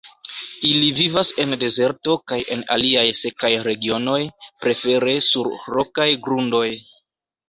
Ili vivas en dezerto kaj en aliaj sekaj regionoj, prefere sur rokaj grundoj.